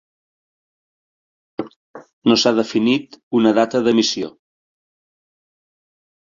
No s'ha definit una data d'emissió.